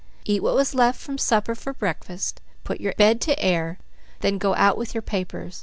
Eat what was left from supper for breakfast. Put your bed to air, then go out with your papers.